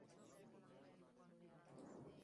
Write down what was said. La barrera de hielo Filchner-Ronne lleva su nombre.